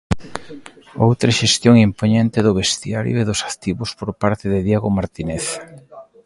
Outra xestión impoñente do vestiario e dos activos por parte de Diego Martínez.